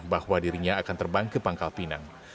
bahwa dirinya akan terbang ke pangkal pinang